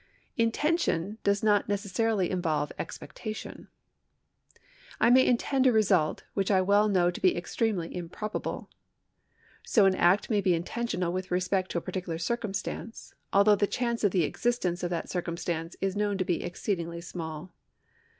Intention does not necessarily involve expectation. I may intend a result which I well know to be extremely improb able. So an act may be intentional with respect to a j)ar ticular circumstance, although the chance of the existence of that circumstance is known to be exceedingly small.